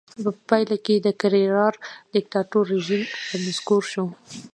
په پایله کې د کرېرارا دیکتاتور رژیم رانسکور شو.